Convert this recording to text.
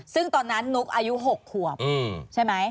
ซึ่งตอนนั้นนุ๊กอายุ๖ขวบใช่ไหม